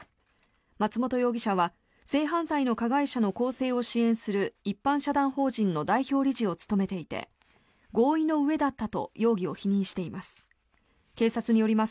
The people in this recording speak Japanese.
松本容疑者は性犯罪の加害者の更生を支援する一般社団法人の代表理事を務めていて合意のうえだったと容疑を否認しています。